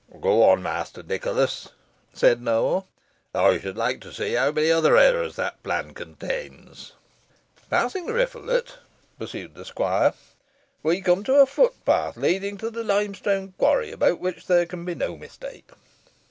"Go on, Master Nicholas," said Nowell, "I should like to see how many other errors that plan contains." "Passing the rivulet," pursued the squire, "we come to a footpath leading to the limestone quarry, about which there can be no mistake.